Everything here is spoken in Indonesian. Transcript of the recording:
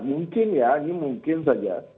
mungkin ya ini mungkin saja